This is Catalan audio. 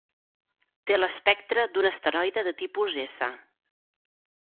Té l'espectre d'un asteroide de tipus S.